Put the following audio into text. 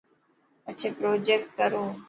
پڇي پروجيڪٽ ڪرو.